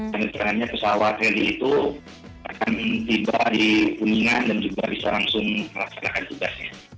dan sebenarnya pesawat heli itu akan tiba di kuningan dan juga bisa langsung melaksanakan tugasnya